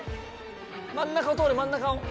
まん中を通れまん中を。